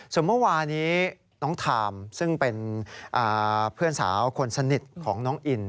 ส่วนเมื่อวานี้น้องทามซึ่งเป็นเพื่อนสาวคนสนิทของน้องอิน